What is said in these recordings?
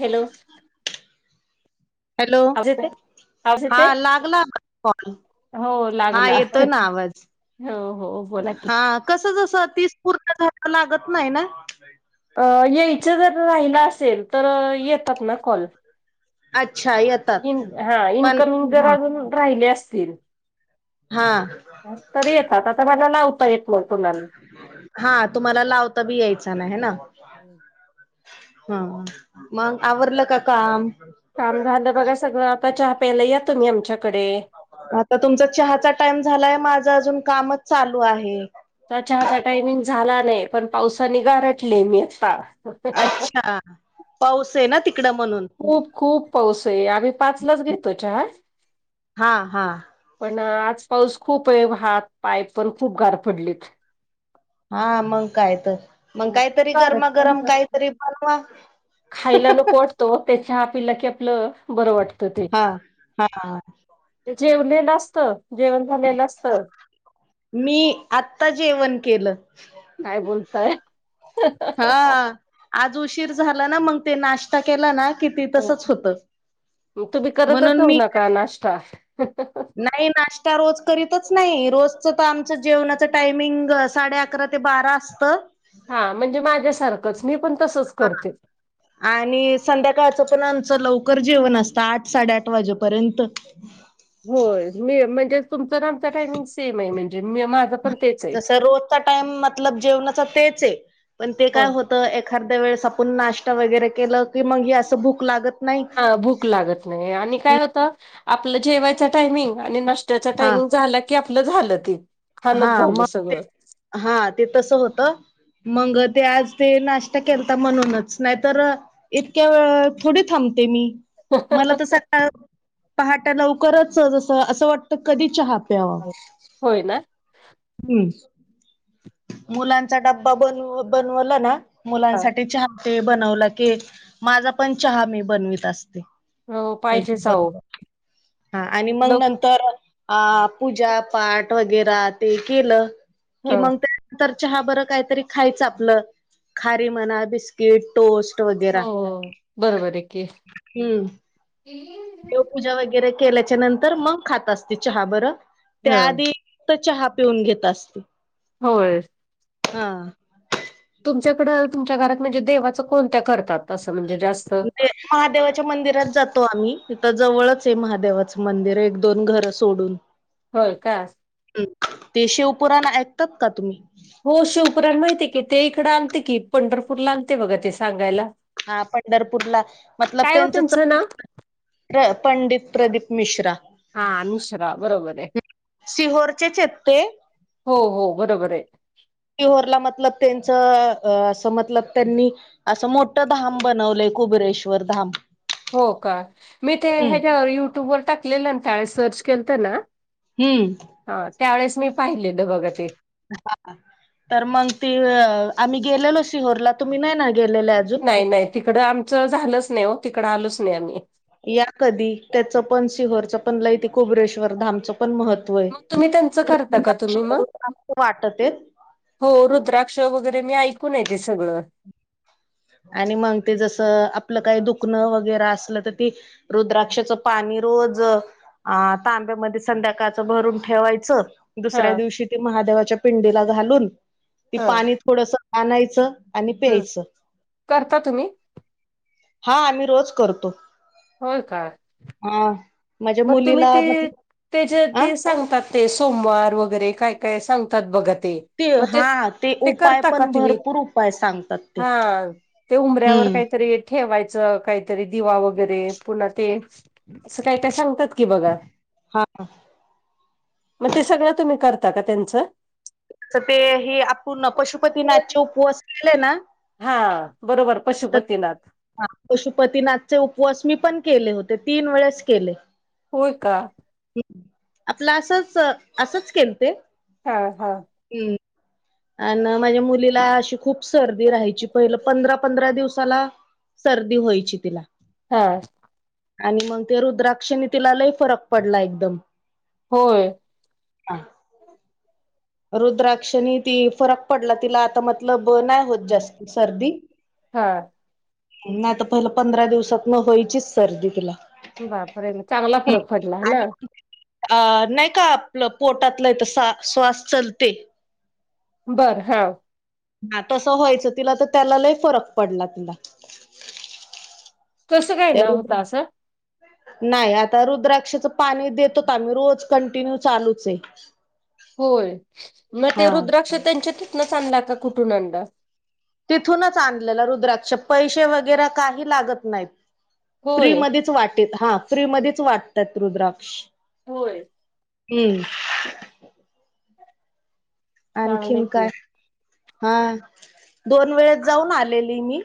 Hello! Hello! आवाज येतोय आवाज हा येतोय लागला मला कॉल.. हो हा लागला. येतोय ना आवाज हो हो.. बोला कि. कस जस तीस पूर्ण झाले की लागत नाही ना? यायचं जर राहिला असेल, तर येतात ना कॉल.. अच्छा! येता इन हा इन्कमिंग जर अजून राहिले असतील, हा.. तर येतात आता मला लावता येत नाही कोणाला.. हा तुम्हाला लावता बी यायचा नाही हे ना.. हा.. मग आवरलं का काम? काम झालं बघा सगळं, आता चहा प्यायला या तुम्ही आमच्याकडे.. आता तुमचा चहाचा टाइम झालाय माझं अजून कामच चालू आहे.. तर चहाचा टायमिंग झाला नाही, पण पावसानि गारटले मी आता अच्छा! पाऊस हे ना तिकडं म्हणून खूप खूप पाऊस आहे, आम्ही पाचलाच घेतो चहा हा हा.. पण आज पाऊस खूप आहे, हातपाय पण खूप गार पडलेत. हा मंग काय तर? मग काहीतरी कारण गरमागरम काहीतरी बनवा. तो ते चहा पिला की आपलं बरं वाट हा हा. जेवलेलं असतं, जेवण झालेलं असतं. मी आत्ता जेवण केलं. काय बोलताय? हा. आज उशीर झाला ना मग ते नाष्टा केला ना किती तसचं होतं, म्हणून मी का नाष्टा. नाही नाष्टा रोज करीतचं नाही, रोजचं तर आमचा जेवणाचं टायमिंग साडे अकरा ते बारा असतं. हा म्हणजे माझ्यासारखंच मी पण तसंच करते. आणि संध्याकाळचं पण आमचं लवकर जेवण असतं आठ साडेआठ वाजेपर्यंत. होय मी म्हणजे तुमचं अन् आमचं टायमिंग सेम आहे, म्हणजे माझं पण तेच आहे. जस रोजचा टाईम मतलब जेवणाचा तेच ये पण ते काय होय. हो त एखाद्या वेळेस आपण नाष्टा वगैरे केलं की मग असं भूक लागत नाही. हा भूक लागत नाही आणि काय होतं आपलं जेवायाचं टायमिंग आणि नाष्ट्याचा हा टायमिंग झालं की आपलं झालं ते खाणचं हा झालं मग ते सगळं. हा ते तसं होतं. मग ते आज ते नाष्टा केलता म्हणूनच नाही तर इतक्या वेळ थोडी थांबते मी. [unintelligible] मला तर सकाळ पहाट लवकरच जसं असं वाटत कधी चहा प्यावा. होय ना. हम्म मुलांचा डब्बा बन बनवला ना हा. मुलांसाठी चहा ते बनवला की माझा पण चहा मी बनवीत असते. हो ते पाहिजेच अहो बरोबर. हा आणि मग लोक नंतर पूजापाठ वगैरा. ते केलं ह कि मग तर चहाबर काहीतरी खायचं आपलं, खारी म्हणा बिस्क ट, टोस्ट वगैरा हो बरोबर आहे की हम्म. [inaudible] देवपूजा वगैरे केल्याच्यानंतर मग खात असते चहा बरं, हा त्याआधी तर चहा पिऊन घेत असते. होय. हा. तुमच्याकडं तुमच्या घरात म्हणजे देवाचं कोणत्या करतात असं म्हणजे जास्त? दे महादेवाच्या मंदिरात जातो आम्ही, इथं जवळचंये महादेवाचं मंदिर एक दोन घरं सोडून. होय का? ते शिवपुरान ऐकतात का तुम्ही? हो शिवपुराण माहितीय की ते इकडं आलते की पंढरपूरला आलते बघा ते सांगायला. हा पंढरपूरला मतलब काय हो त्यांच च [unintelligible] त्यांचं नाव प्र, पंडित प्रदीप मिश्रा. हा मिश्रा बरोबर आहे सिहोरचेच ते. हो, हो, बरोबर आहे. शिवरला मतलब त्यांच, असं मतलब त्यांनी असं मोठं धाम बनवलंय कुबरेश्वर धाम. हो का मी ते हम्म ह्याच्यावर युट्यूबवर टाकलेलं त्या सर्च केल, तर ना हम्म. हा त्यावेेळेस मी पाहिले द बघ ते तर मग ती आम्ही गेलेलो सिहोरला तुम्ही नाही ना गेलेल्या नाही नाही तिकडं, नाही हो तिकड आलच नाही आम्ही. या कधी त्याचं, पण शिहोरच पण लैती कुबरेश्वर धमचं पण महत्व हे मग तुम्ही त्यांचं करता का तुम्ही आहे मग वाटत. हो रुद्राक्ष वगैरे मी ऐकून येते सगळं. आणि मग ते जसं आपलं काही दुखणं वगैरे असलं तर ते रुद्राक्षाचं पाणी रोज अ तांब्यामध्ये संध्याकाळचं भरून ठेवायचं. हा दुसऱ्या दिवशी ती महादेवाच्या पिंडीला घालून ती हा पाणी थोडस आणायचं. आणि हम्म. प्यायचं. करता तुम्ही हा, आम्ही रोज करतो. होय, का हा माझ्या मग तुम्ही, मुलीला ते मतलब त्याच्या अ ते सांगतात. ते सोमवार वगैरे काय काय सांगतात. बघा ते मग ते हा ते उपाय करता का पण तुम्ही भरपूर उपाय सांगतात ते हा ते उमऱ्यावर हम्म काहीतरी ठेवायचं काहीतरी दिवा वगैरे, पुन्हा ते अस काहीत सांग बघा हा मग ते सगळं तुम्ही करता, का त्यांचं. ते आपूर्ण त्यांचं पशुपतीनाथचा उपवास केलेय ना हा, बरोबर पशुपतीनाथ. ह पशुपतीनाथचे उपवास मी पण केले होते, तीन वेळेस केले होय, का आपलं असच, असंच खलते. हा, हा हम् आणि माझ्या मुलीला अशी खूप सर्दी राहायची, पहिलं पंधरा पंधरा दिवसाला, सर्दी व्हायची तिला हा आणि मग ते रुद्राक्षने तिला लही फरक पडला एकदम. होय, हा रुद्राक्षनी ती फरकपडला आता म ल ब नाही होत, जास्त सर्दी हा नाही तर पहिलं पंधरा दिवसात, न व्हायचीच सर्दी तुला बापरल चांगला फरक पडला आणि ना. अ नाही का आपलं पोटातलं तर श्वास चलते. बर, हा हा तसं व्हायचं, तिला तर त्यालालाही फरक पडला तिला कसं काय ना होत असं [unintelligible] नाही आता रुद्राक्षाच पाणी देतोत, आम्ही रोज कंटिन्यू चालूच आहे. [unintelligible] होय म ते हा रुद्राक्ष त्यांच्या तिथनंच आणला, का कुठून आणला? तिथूनच आणलेला रुद्राक्ष पैसे वगैरे काही लागत नाहीत. होय फ्रीमध्येच वाटेत हा फ्री मध्येच वाटत्यात रुद्राक्ष होय. हं. चांगले आणखीन काय? की हा दोन वेळेस जाऊन आलेली मी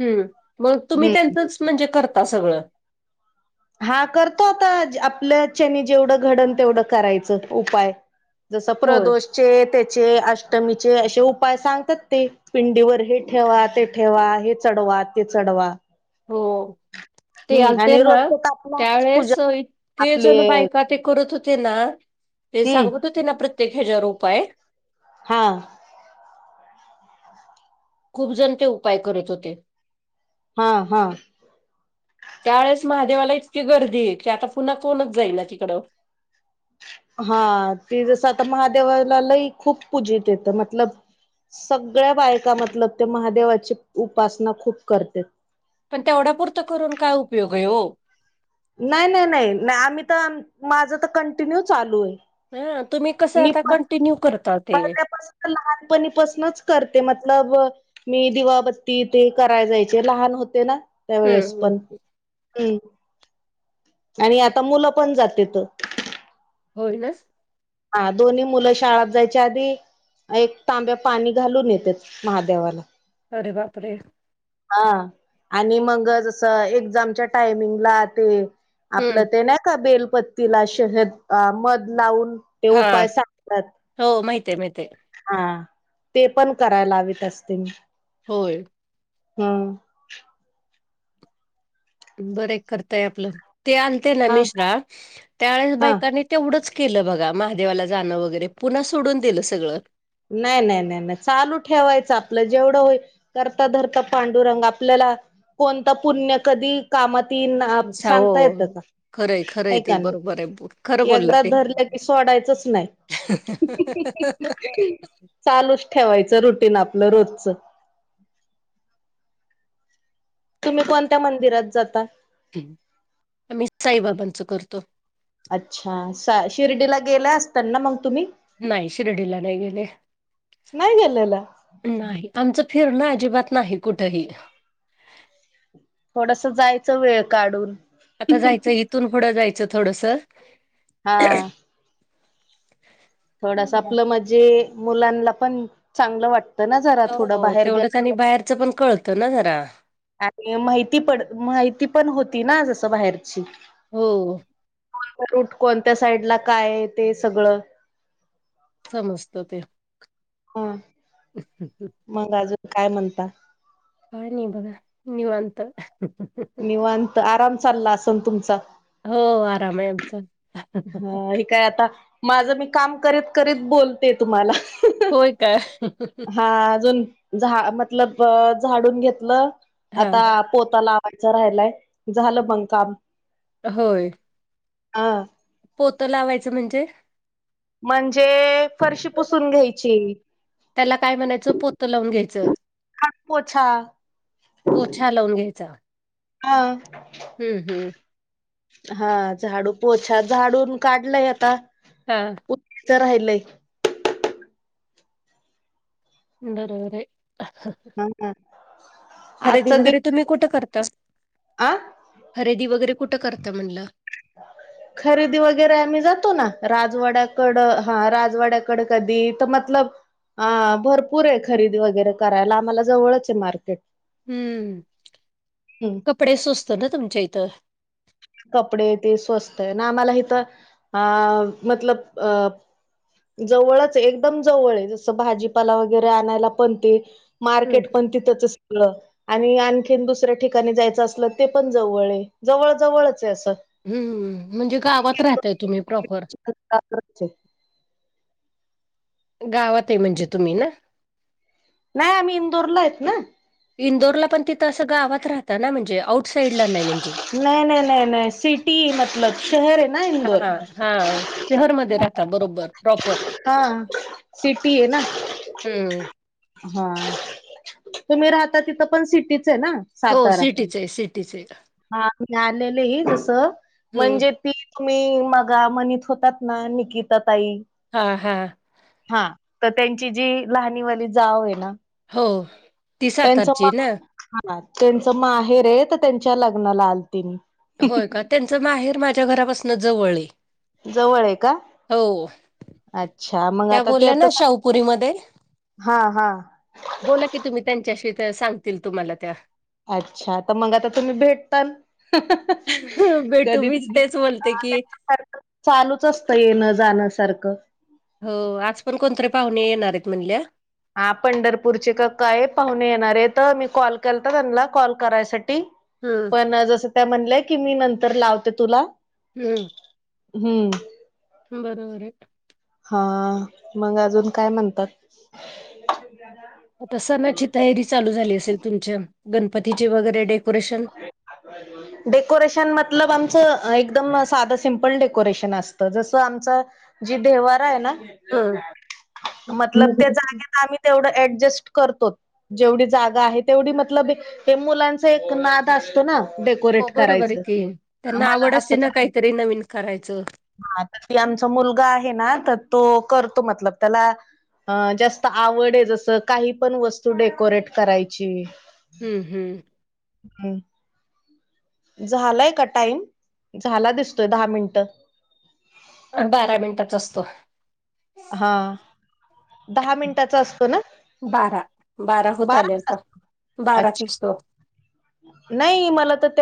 हं मग तुम्ही हम्म त्यांचच म्हणजे करता सगळं हा करतो आता आपल्याच्यानी जेवढं घडल तेवढं करायचं उपाय जसं होय प्रदोषचे त्याचे अष्टमीचे असे उपाय सांगतात ते पिंडीवर हे ठेवा ते ठेवा हे चढवा ते चढवा हो ते हम्म आलते आणि ना रोजच तर आपलं आहेच पूजा त्यावेळेस इतके आपले जण बायका ते करत होते ना ते हम्म सांगत होते ना प्रत्येक ह्याच्यावर उपाय हा खूप जण ते उपाय करत होते. हा हा. त्यावेळेस महादेवाला इतकी गर्दी, की आता पुन्हा कोणच जाईना तिकडं हा ते जसं आता महादेवाला लय खूप पूजितेत मतलंब सगळ्या बायका मतलंब ते महादेवाची उपासना खूप करत्यात पण तेवढ्या पुरत करून काय उपयोग आहे हो नाही नाही नाही आम्ही तर माझं तर कंटिन्यू चालू आहे हं तुम्ही कसं आता कंटिन्यू करता ते मी काय लहानपणीपसनच करते मतलब मी दिवाबत्ती ते कराय जायचे लहान होते ना त्यावेेळेस हम्म पण हं. आणि आता मुलं पण जातेेत होय ना. हा दोन्ही मुलं शाळात जायच्या आधी एक तांब्या पाणी घालून येत्यात महादेवाला अरे बापरे. हा आणि मग जसं एक्झामच्या टायमिंगला ते आपलं हम्म ते नाही का बेलपत्तीला शहद मध लावून ते हा उपाय सांगतात हो माहितीय, माहितीय. हा ते पण करायला लावीेत असते मी. होय. हंम बरे करतय आपलं, ते आलते ना हा मिश्रा त्यावेळेस हा बायकांनी तेवढंच केलं बघा महादेवाला जाणं वगैरे, पुन्हा सोडून दिलं सगळं नाही नाही नाही नाही चालू ठेवायचं आपलं जेवढं होईल करता धरता पांडुरंग आपल्याला कोणतं पुण्य कधी कामात इन अच्छा, सांगता हो येतं का? खरंय खरंय आहे ते का नाही बरोबर आहे खरं बोलला एकदा ते. धरलं की सोडायचंच नाही [inaudible] चालूच ठेवायचं रुटीन आपलं रोजच तुम्ही कोणत्या मंदिरात जाता? हं आम्ही साईबाबांचं करतो. अच्छा शिर्डीला गेला असचाल ना मग तुम्ही. नाही शिर्डीला नाही गेले. नाही गेलेला नाही, आमचं फिरणं अजिबात नाही कुठेही. थोडंसं जायचं वेळ काढून. आता जायचं, इथून पुढं जायचं थोडस. हा हा थोडस आपलं म्हणजे मुलांना पण चांगलं वाटत. हो हो तेवढंच आणि बाहेरचं पण कळतं ना जरा. आणि माहिती पण माहिती पण होती ना जसं बाहेरची. हो कोणत रूट कोणत्या साईड ला काय आहे ते सगळं. समजत ते हा [unintelligible] मग अजून काय म्हणता? काय नाही बघा निवांत. निवांत आराम चालला असेल तुमचा. हो आराम आहे आमचा. ह हे काय आता माझं मी काम करीत करीत बोलते तुम्हाला. होय का? हा अजून. झा मतलब झाडून घेतलं. हा आता पोता लावायचं राहिलाय, झालं मग काम. होय हा पोतं लावायचं म्हणजे. म्हणजे फरशी पुसून घ्यायची. त्याला काय म्हणायचं पोतं लावून घ्यायचं. का पोछा. पोछा लावून घ्यायचा. हा हम्म हम्म हा झाडू पोछा, झाडून काढलंय आता हा उत्तीच राहिलंय बरोबर आहे. हा हा खरेदी वगैरे तुम्ही कुठं करता? हा खरेदी वगैरे कुठं करता म्हणलं. [unintelligible] खरेदी वगैरे आम्ही जातो ना राजवाड्याकडं हा राजवाड्याकंड कधी तर मतलब हा भरपूर आहे खरेदी करायला आम्हाला जवळच आहे मार्केट हम्म हम्म कपडे स्वस्त ना तुमच्या इथं? कपडे ते स्वस्त हे ना आम्हाला इथ अ मतलब अ जवळच एकदम जवळ हाय जसं भाजीपाला वगैरे आणायला पण ते हं. मार्केट पण तिथंच हाय सगळं आणि आणखीन दुसऱ्या ठिकाणी जायचं असलं ते पण जवळ हाय जवळ जवळच हाय असं हू म्हणजे गावात राहताय तुम्ही प्रॉपर [unintelligible] गावातये म्हणजे तुम्ही ना नाही आम्ही इंदोरला हाइत ना इंदोरला पण तिथं असं गावात राहत ना म्हणजे आउट नाही नाही नाही नाही सिटी मतलब शहर हे ना इंदोर हा हा शहरमध्ये राहता बरोबर प्रॉपर. हा सिटीये ना हम्म. हा तुम्ही राहता तिथं पण सिटीचये ना हो सातारा. सिटीचये सिटीचये हा तुम्ही आलेले जसं हम्म म्हणजे ती तुम्ही मगा म्हणीत होतात ना निकीता ताई हा हा हा तर त्यांची जी लहाणी वाली जावये ना हो ती त्यांचं म सातारची ना. हा त्यांच म माहेर ये तर त्यांच्या लग्नाला आलते मी होय का त्यांच माहेर माझ्या घरापासन जवळये जवळये का हो अच्छा मग त्या आता ते बोलल्या त ना शाहूपुरीमध्ये हा हा बोला की तुम्ही त्यांच्याशी सांगतील तुम्हाला त्या अच्छा तर मग आता तुम्ही भेटतात भेटू कधी मीच तेच बोलते की [unintelligible] चालूच असतं येण जाणं सारखं हो आज पण कोणतरी पाहुणे येणार हाइत म्हणल्या हा पंढरपूरचे का काय पाहुणे येणारे हाइत मी कॉल केलता त्यांना कॉल करायसाठी हम्म पण जसं त्या म्हणल्या की मी नंतर लावते तुला हू हू बरोबर हाय हा मग अजून काय म्हणतात आता सनाची तयारी चालू झाली असेल तुमच्या गणपतीचे वगैरे डेकोरेशन [inaudible] डेकोरेशन मतलब आमचं एकदम साधं सिम्पल डेकोरेशन असतं जसं आमच जे देवारा आहे ना हं. मतलब त्या जागेत आम्ही तेवढ ऍडजस्ट करतो जेवढी जागा आहे तेवढी मतलब हे मुलांच नाद असतो ना हो बरोबरये की त्यांना आम्हाला आवड असं असते ना करायचं काहीतरी नवीन करायचं हा ती मुलगा आहे ना तर करतो मतलब त्याला अ जास्त आवड आहे जसं काही पण वस्तू डेकोरेट करायची हू हू हम, झालाय का टाईम? झाला दिसतोय दहा मिनिटं. बारा मिनिटा चा असतो. हा, दहा मिनिटांचा असतो ना, बारा बारा असततात बाराचा आणतो. नही मला तर ते